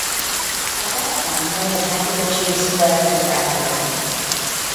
By that time, more than half of the Jews fled or evacuated.